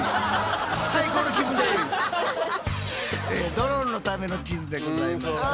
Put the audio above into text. ドローンのための地図でございました。